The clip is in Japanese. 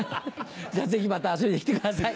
ぜひまた遊びに来てください